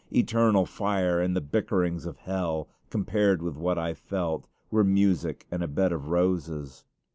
Eternal fire and the bickerings of hell, compared with what I felt, were music and a bed of roses.